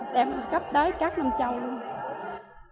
đem góp tới các năm châu luôn